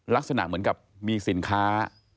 ลักษณะเหมือนกับมีสินค้า